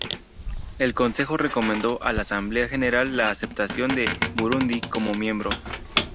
El Consejo recomendó a la Asamblea General la aceptación de Burundi como miembro.